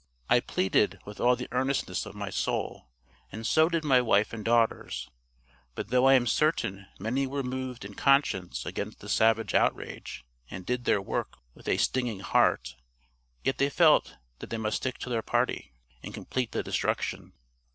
I pleaded with all the earnestness of my soul, and so did my wife and daughters, but though I am certain many were moved in conscience against the savage outrage, and did their work with a stinging heart, yet they felt that they must stick to their party, and complete the destruction.